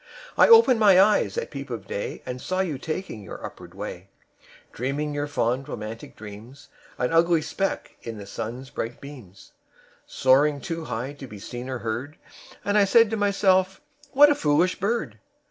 "I opened my eyes at peep of day And saw you taking your upward way, Dreaming your fond romantic dreams, An ugly speck in the sun's bright beams; Soaring too high to be seen or heard; And I said to myself: 'What a foolish bird!'